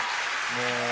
もう」